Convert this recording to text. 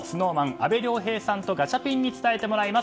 阿部亮平さんとガチャピンに伝えてもらいます。